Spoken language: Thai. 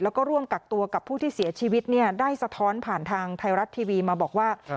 แล้วก็ร่วมกักตัวกับผู้ที่เสียชีวิตเนี่ยได้สะท้อนผ่านทางไทยรัฐทีวีมาบอกว่า